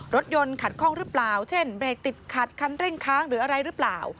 รถยนต์ขัดข้องหรือเปล่าเช่นเบรกติดขัดคันเร่งค้างหรืออะไรหรือเปล่า